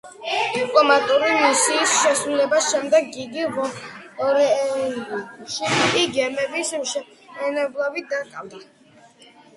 დიპლომატიური მისიის შესრულების შემდეგ, იგი ვორონეჟში გემების მშენებლობით დაკავდა.